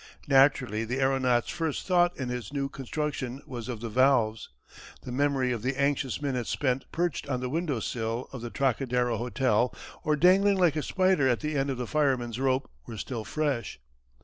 Naturally the aeronaut's first thought in his new construction was of the valves. The memory of the anxious minutes spent perched on the window sill of the Trocadero Hotel or dangling like a spider at the end of the firemen's rope were still fresh.